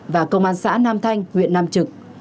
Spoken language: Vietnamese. và công an xã nam thanh huyện nam trực